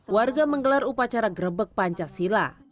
warga menggelar upacara grebek pancasila